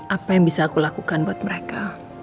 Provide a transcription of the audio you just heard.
apa yang bisa aku lakukan buat mereka